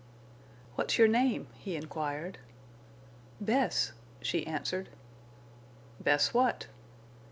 "What's your name?" he inquired. "Bess," she answered. "Bess what?"